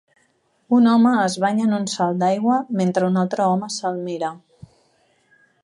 Un home es banya en un salt d'aigua mentre un altre home se'l mira.